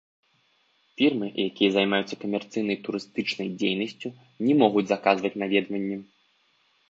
Фірмы, якія займаюцца камерцыйнай турыстычнай дзейнасцю, не могуць заказваць наведванне.